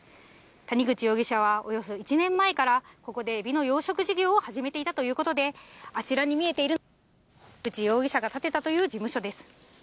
谷口容疑者はおよそ１年前から、ここでエビの養殖事業を始めていたということで、あちらに見えているのは谷口容疑者が建てたという事務所です。